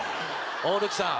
大貫さん